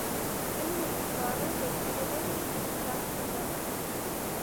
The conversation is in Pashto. امر بالمعروف د ټولنی اصلاح سبب دی.